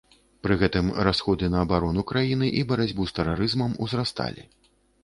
Пры гэтым расходы на абарону краіны і барацьбу з тэрарызмам узрасталі.